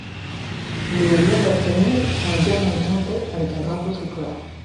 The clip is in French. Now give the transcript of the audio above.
Le long de la trémie un gamin grimpait avec un drapeau tricolore.